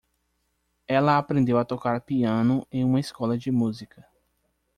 Ela aprendeu a tocar piano em uma escola de música.